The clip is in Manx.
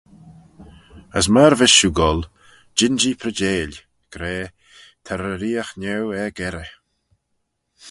As myr vees shiu goll, jean-jee preaçheil, gra, ta reeriaght niau er-gerrey.